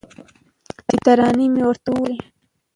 چي ترانې مي ورته ویلې